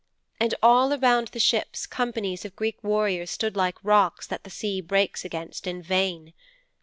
'And all around the ships companies of Greek warriors stood like rocks that the sea breaks against in vain.